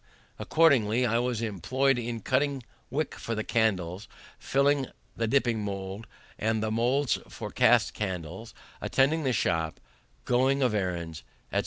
Accordingly, I was employed in cutting wick for the candles, filling the dipping mould and the moulds for cast candles, attending the shop, going of errands, etc.